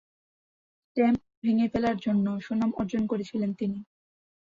Stamp ভেঙ্গে ফেলার জন্য সুনাম অর্জন করেছিলেন তিনি।